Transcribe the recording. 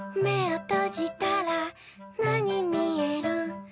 「めをとじたらなにみえる？」